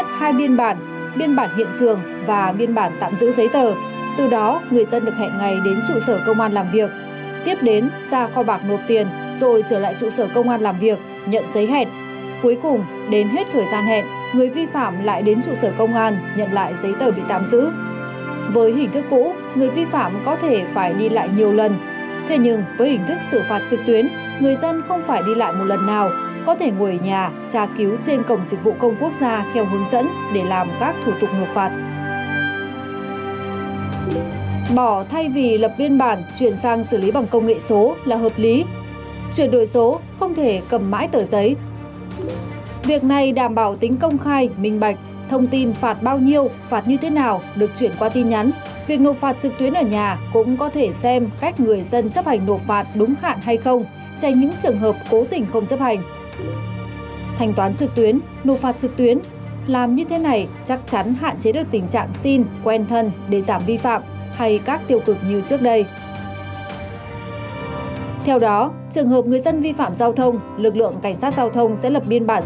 theo đó trường hợp người dân vi phạm giao thông lực lượng cảnh sát giao thông sẽ lập biên bản xử phạt hành chính yêu cầu người vi phạm phải cung cấp số điện thoại số căn cước công dân trực minh nhân dân